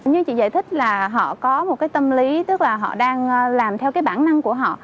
như chị giải thích là họ có một cái tâm lý tức là họ đang làm theo cái bản năng của họ